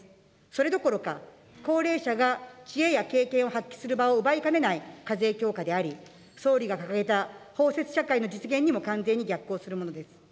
それどころか、高齢者が知恵や経験を発揮する場を奪いかねない課税強化であり、総理が掲げた包摂社会の実現にも完全に逆行するものです。